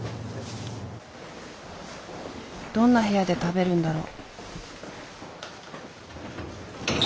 どんな部屋で食べるんだろう。